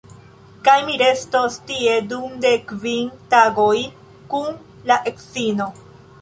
kaj mi restos tie dum de kvin tagoj kun la edzino